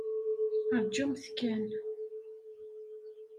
Ṛjumt kan.